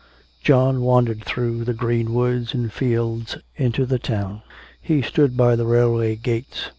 XVI. John wandered through the green woods and fields into the town. He stood by the railway gates.